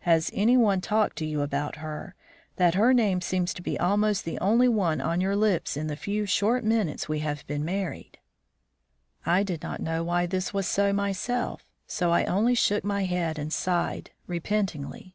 Has any one talked to you about her, that her name seems to be almost the only one on your lips in the few, short minutes we have been married?" I did not know why this was so, myself, so I only shook my head and sighed, repentingly.